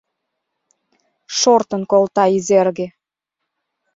Шортын колта Изерге